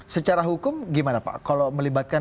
secara hukum gimana pak kalau melibatkan